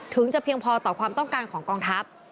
จะเพียงพอต่อความต้องการของกองทัพ